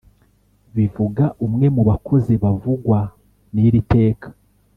bivuga umwe mu bakozi bavugwa nir’iteka